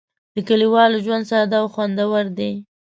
د کلیوالو ژوند ساده او خوندور دی.